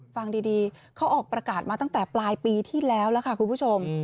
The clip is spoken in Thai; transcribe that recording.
ฟังดีเขาออกประกาศมาตั้งแต่ปลายปีที่แล้วแล้วค่ะคุณผู้ชม